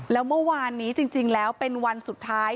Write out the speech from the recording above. แล้วเมื่อวานนี้จริงแล้วเป็นวันสุดท้าย